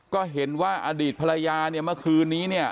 ก็เห็นว่าอดีตภรรยาเนี่ยเมื่อคืนนี้เนี่ย